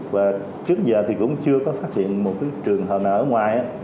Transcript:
và trước giờ thì cũng chưa có phát hiện một trường hợp nào ở ngoài